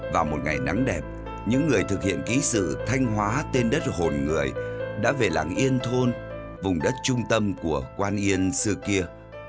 vào một ngày nắng đẹp những người thực hiện ký sự thanh hóa tên đất hồn người đã về làng yên thôn vùng đất trung tâm của quan yên xưa kia